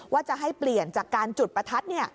ว่าจะให้เปลี่ยนจากการจุดประทัด